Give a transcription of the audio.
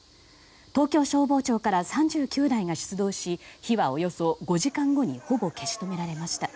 東京消防庁から３９台が出動し火はおよそ５時間後にほぼ消し止められました。